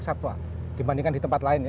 satwa dibandingkan di tempat lain